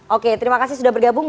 oke terima kasih sudah bergabung